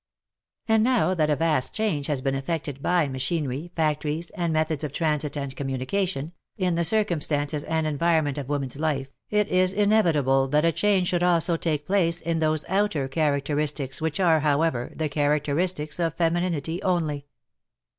And now that a vast change has been effected by machinery, factories and methods of transit and communication, in the circum stances and environment of woman's life, it is inevitable that a change should also take place in those outej" characteristics which are, however, the characteristics oi femininity only.